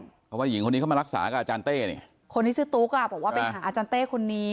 เพราะว่าหญิงคนนี้เข้ามารักษากับอาจารย์เต้เนี่ยคนที่ชื่อตุ๊กอ่ะบอกว่าไปหาอาจารย์เต้คนนี้